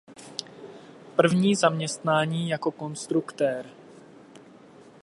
První zaměstnání jako konstruktér.